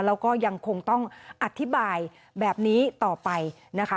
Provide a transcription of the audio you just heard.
แล้วก็ยังคงต้องอธิบายแบบนี้ต่อไปนะคะ